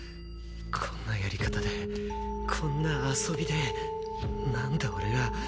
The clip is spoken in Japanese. こんなやり方でこんな遊びでなんで俺が。